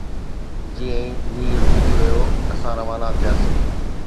جيئن ئي مينهن رڪجي ويو، اسان روانا ٿياسين.